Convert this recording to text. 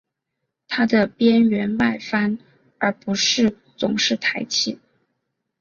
它的边缘外翻而不是总是抬起。